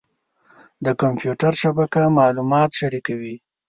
د کمپیوټر شبکه معلومات شریکوي.